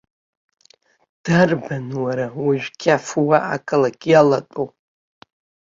Дарбан, уара, уажәы қьаф уа ақалақь иалатәоу?